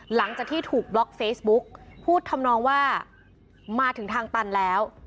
หลังจากที่ถูกบล็อกเฟซบุ๊กพูดทำนองว่ามาถึงทางตันแล้ว